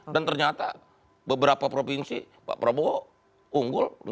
dan ternyata beberapa provinsi pak prabowo unggul